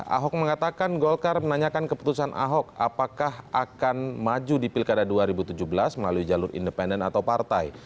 ahok mengatakan golkar menanyakan keputusan ahok apakah akan maju di pilkada dua ribu tujuh belas melalui jalur independen atau partai